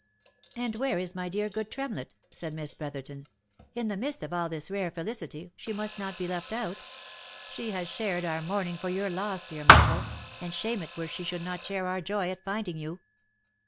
" And where is my dear, good Tremlett?" said Miss Erotherton. " In the midst of all this rare felicity she must not be left out. She has shared our mourning for your loss, dear Michael, and shame it were she should not share our joy at finding you."